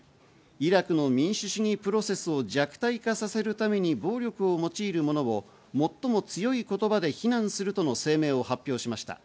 イラクの民主主義プロセスを弱体化させるために暴力を用いる者を最も強い言葉で非難するとの声明を発表しました。